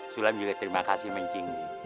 sulem juga terima kasih mbak incing